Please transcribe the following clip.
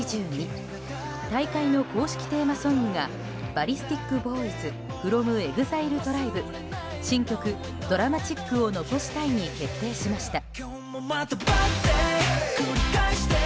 大会の公式テーマソングがＢＡＬＬＩＳＴＩＫＢＯＹＺｆｒｏｍＥＸＩＬＥＴＲＩＢＥ新曲「ドラマチックを残したい」に決定しました。